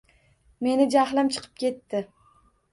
Meni jahlim chiqib ketdi.